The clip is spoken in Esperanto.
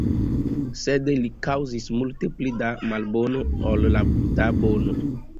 Sed li kaŭzis multe pli da malbono ol da bono.